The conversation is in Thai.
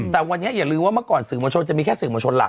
แต่วันนี้อย่าลืมว่าเมื่อก่อนสื่อมวลชนจะมีแค่สื่อมวลชนหลัก